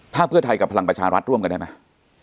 ถ้าเพื่อไทยกับพลังประชารัฐร่วมกันได้ไหม